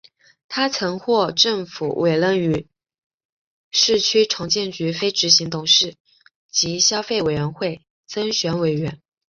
他曾获政府委任为市区重建局非执行董事及消费者委员会增选委员。